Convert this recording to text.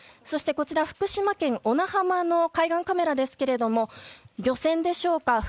そして、こちら福島県小名浜の海岸カメラですが漁船でしょうか